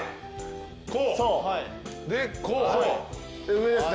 上ですね。